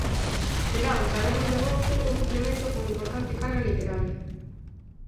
Será o Caderno de Agosto un suplemento con importante carga literaria.